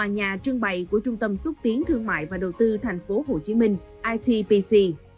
nhà trưng bày của trung tâm xúc tiến thương mại và đầu tư tp hcm itpc